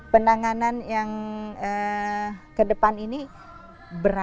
penanganan yang kedepan ini beragam